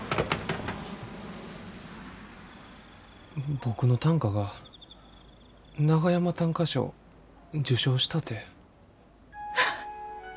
僕の短歌が長山短歌賞受賞したて。